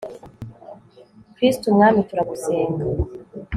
kristu mwami turagusenga